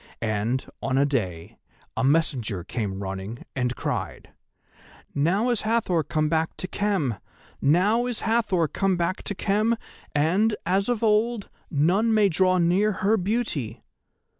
And, on a day, a messenger came running and cried: "'Now is Hathor come back to Khem, now is Hathor come back to Khem, and, as of old, none may draw near her beauty!